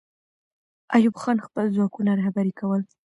ایوب خان خپل ځواکونه رهبري کوله.